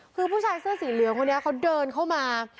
คือผู้ชายเสื้อสีเหลืองคนนี้เขาเดินเข้ามา